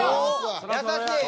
優しい。